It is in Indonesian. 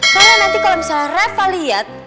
karena nanti kalau misalnya reva liat